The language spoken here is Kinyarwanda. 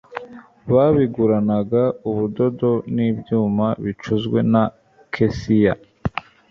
babiguranaga ubudodo n ibyuma bicuzwe na kesiya